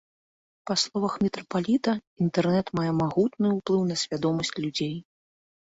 Па словах мітрапаліта, інтэрнэт мае магутны ўплыў на свядомасць людзей.